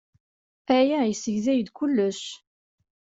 Aya yessegzay-d kullec.